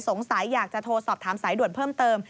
สงสัยอยากจะโทรสอบถามสายด่วนเพิ่มเติม